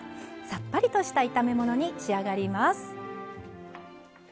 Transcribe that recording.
さっぱりとした炒め物に仕上がります。